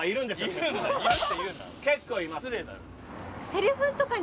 結構います。